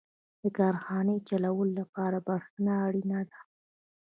• د کارخانې چلولو لپاره برېښنا اړینه ده.